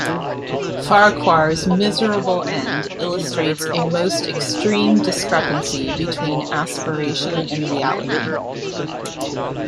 Farquhar's miserable end illustrates a most extreme discrepancy between aspiration and reality.